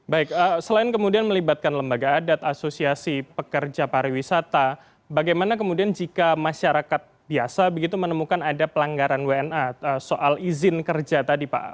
baik selain kemudian melibatkan lembaga adat asosiasi pekerja pariwisata bagaimana kemudian jika masyarakat biasa begitu menemukan ada pelanggaran wna soal izin kerja tadi pak